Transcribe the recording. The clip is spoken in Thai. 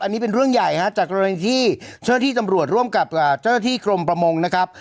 อันนี้เป็นเรื่องใหญ่ฮะจากกรณีที่เจ้าหน้าที่ตำรวจร่วมกับเจ้าหน้าที่กรมประมงนะครับ